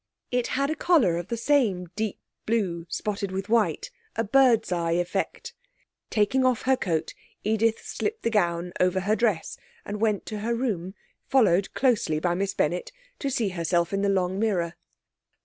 It had a collar of the same deep blue, spotted with white a birdseye effect. Taking off her coat Edith slipped the gown over her dress, and went to her room (followed closely by Miss Bennett) to see herself in the long mirror.